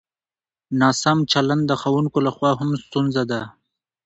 ناسم چلند د ښوونکو له خوا هم ستونزه ده.